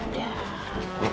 udah bisa nyalahin